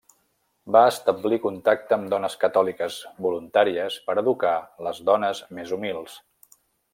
Va establir contacte amb dones catòliques voluntàries per educar les dones més humils.